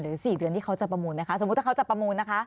๔เดือนที่เขาจะประมูลไหมคะสมมุติถ้าเขาจะประมูลนะคะ